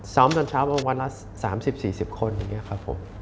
ซ้อมตั้งเช้าประมาณว่า๓๐๔๐คนอย่างนี้ครับ